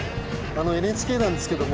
ＮＨＫなんですけども。